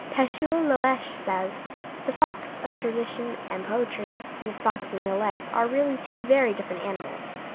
Pechuel Loesche says: "The fox of tradition and poetry and the fox in real life are really two very different animals.